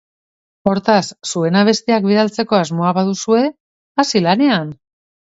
Hortaz, zuen abestiak bidaltzeko asmoa baduzue, hasi lanean!